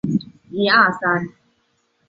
李国强周末冲浪去了，晒得一身古铜色。